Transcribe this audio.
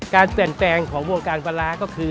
การแส่นแปลงของวงการปลาลาคือ